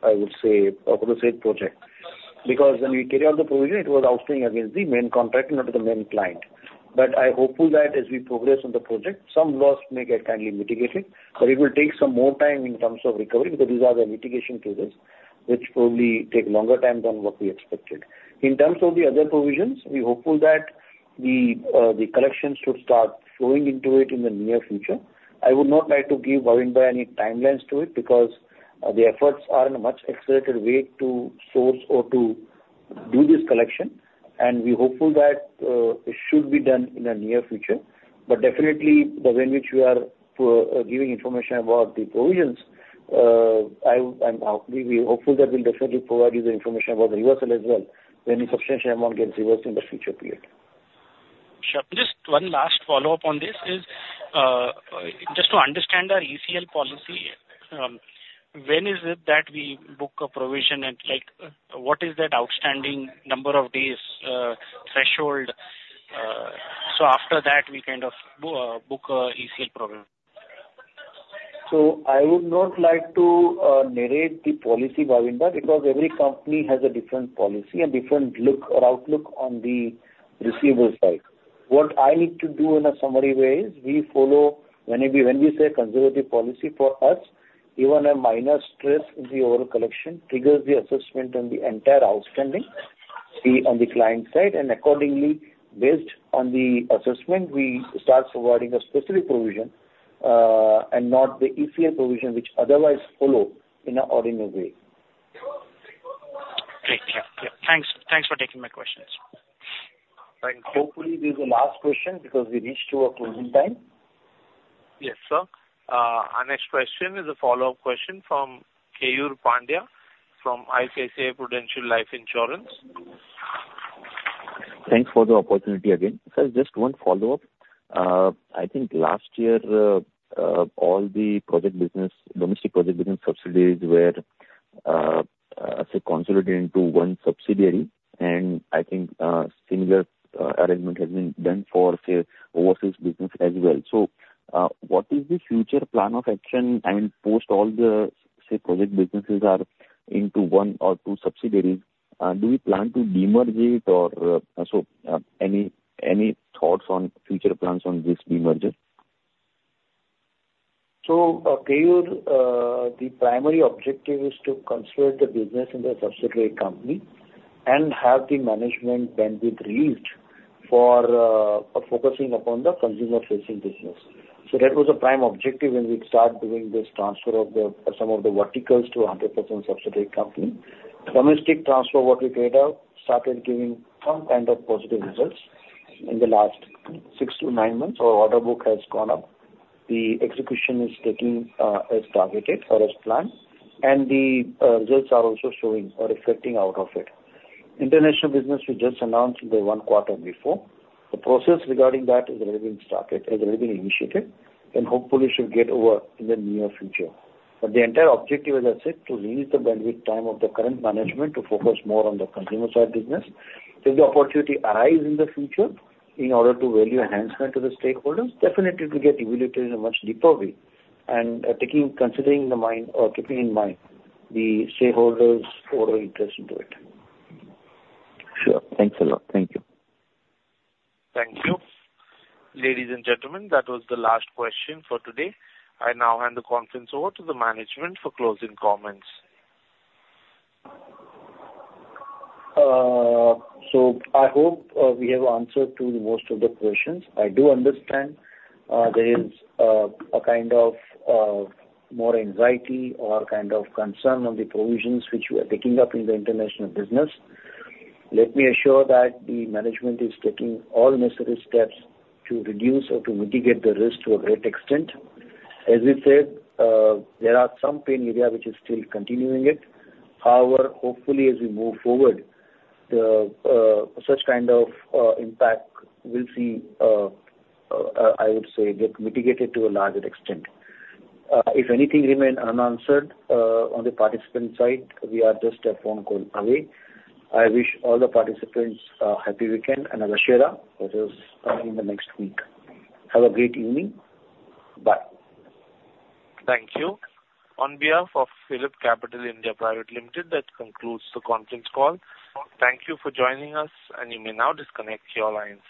I would say, of the same project. Because when we carry out the provision, it was outstanding against the main contractor, not the main client. But I hopeful that as we progress on the project, some loss may get kindly mitigated, but it will take some more time in terms of recovery, because these are the mitigation cases, which probably take longer time than what we expected. In terms of the other provisions, we hopeful that the collections should start flowing into it in the near future. I would not like to give Bhavin bhai any timelines to it, because the efforts are in a much accelerated way to source or to do this collection, and we're hopeful that it should be done in the near future. But definitely, the way in which we are giving information about the provisions, we hopeful that we'll definitely provide you the information about the reversal as well, when the substantial amount gets reversed in the future period.
Sure. Just one last follow-up on this is just to understand our ECL policy, when is it that we book a provision? And, like, what is that outstanding number of days threshold, so after that, we kind of book a ECL provision?
I would not like to narrate the policy, Bhavin, because every company has a different policy and different look or outlook on the receivable side. What I need to do in a summary way is we follow—when we say conservative policy, for us, even a minor stress in the overall collection triggers the assessment on the entire outstanding, say, on the client side, and accordingly, based on the assessment, we start providing a specific provision, and not the ECL provision, which otherwise follow in an ordinary way.
Great. Yeah. Yeah. Thanks, thanks for taking my questions.
Thank you. Hopefully this is the last question because we've reached to our closing time.
Yes, sir. Our next question is a follow-up question from Keyur Pandya from ICICI Prudential Life Insurance.
Thanks for the opportunity again. Sir, just one follow-up. I think last year, all the project business, domestic project business subsidies were consolidated into one subsidiary, and I think a similar arrangement has been done for, say, overseas business as well. What is the future plan of action, I mean, post all the, say, project businesses are into one or two subsidiaries, do we plan to demerge it or, any thoughts on future plans on this demerger?
So, Keyur, the primary objective is to consolidate the business in the subsidiary company and have the management bandwidth released for, focusing upon the consumer-facing business. That was the prime objective when we start doing this transfer of the, some of the verticals to a 100% subsidiary company. Domestic transfer what we carried out started giving some kind of positive results in the last 6-9 months. Our order book has gone up. The execution is taking, as targeted or as planned, and the, results are also showing or reflecting out of it. International business, we just announced the one quarter before. The process regarding that has already been started, has already been initiated, and hopefully should get over in the near future. The entire objective, as I said, to release the bandwidth time of the current management, to focus more on the consumer side business. If the opportunity arise in the future, in order to value enhancement to the stakeholders, definitely it will get evaluated in a much deeper way, and considering in the mind or keeping in mind the shareholders' overall interest into it.
Sure. Thanks a lot. Thank you.
Thank you. Ladies and gentlemen, that was the last question for today. I now hand the conference over to the management for closing comments.
So I hope we have answered to the most of the questions. I do understand there is a kind of more anxiety or kind of concern on the provisions which we are taking up in the international business. Let me assure that the management is taking all necessary steps to reduce or to mitigate the risk to a great extent. As we said, there are some pain area which is still continuing it. However, hopefully, as we move forward, the such kind of impact will see, I would say, get mitigated to a larger extent. If anything remain unanswered, on the participant side, we are just a phone call away. I wish all the participants a happy weekend and a Dussehra, which is in the next week. Have a great evening. Bye.
Thank you. On behalf of PhillipCapital India Private Limited, that concludes the conference call. Thank you for joining us, and you may now disconnect your lines.